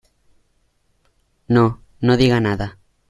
no, no diga nada.